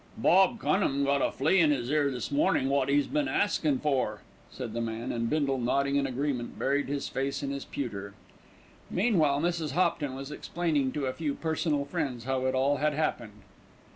"Bob Cunham got a flea in 'is ear this mornin' wot 'e's been askin' for," said the man, and Bindle, nodding in agreement, buried his face in his pewter. Meanwhile, Mrs. Hopton was explaining to a few personal friends how it all had happened.